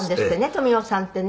富美男さんってね」